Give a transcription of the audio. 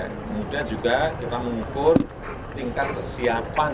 kemudian juga kita mengukur tingkat kesiapan